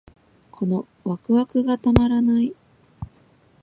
このワクワクがたまらない